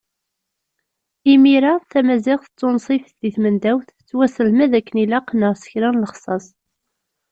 Imir-a tamaziɣt d tunṣibt di tmendawt, tettwaselmad akken ilaq neɣ s kra n lexṣaṣ.